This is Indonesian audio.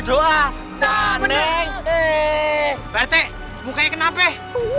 doa dan neng eh partai mukanya kenapa eh